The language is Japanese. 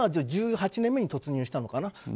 １８年目に突入したのかな。